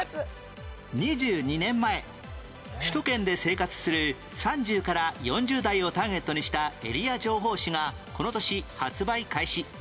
２２年前首都圏で生活する３０から４０代をターゲットにしたエリア情報誌がこの年発売開始